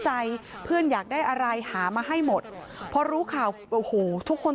ใจเพื่อนอยากได้อะไรหามาให้หมดพอรู้ข่าวโอ้โหทุกคน